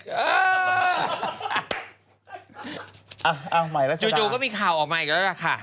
อ้าวไหมรัชดาจู่ก็มีข่าวออกมาอีกแล้วล่ะค่ะ